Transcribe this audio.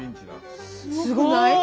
すごくない？